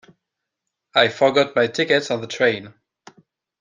I forgot my ticket on the train.